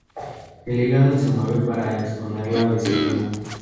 El hígado se mueve para exponer la vesícula.